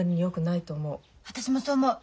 私もそう思う。